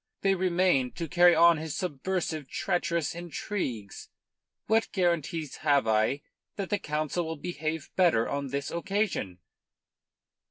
They remained to carry on his subversive treacherous intrigues. What guarantees have I that the Council will behave better on this occasion?"